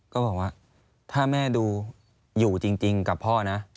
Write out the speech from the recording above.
ก็บอกว่าถ้าแม่ดูอยู่จริงกับพ่อนะ